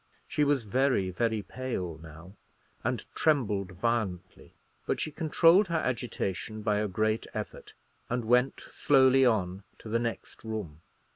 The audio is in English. She was very, very pale now, and trembled violently; but she controlled her agitation by a great effort, and went slowly on to the next room.